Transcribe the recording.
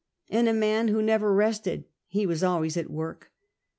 And a man who never rested : he was always at work.